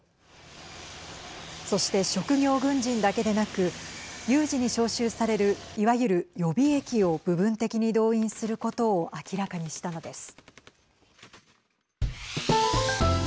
そして、職業軍人だけでなく有事に召集されるいわゆる予備役を部分的に動員することを明らかにしたのです。